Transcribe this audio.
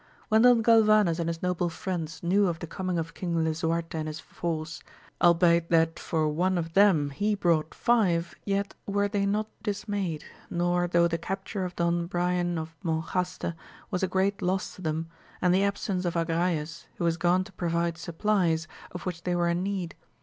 When Don Galvanes and his noble friends knew of the coming of King Lisuarte and his force, albeit that for one of them he brought five, yet were they not dismayed, nor though the capture of Don Brian of Monjaste was a great loss to them, and the a bsence of Agrayes, who was gone to provide supplies, of which they were in need.